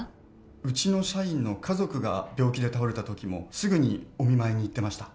うちの社員の家族が病気で倒れた時もすぐにお見舞いに行ってました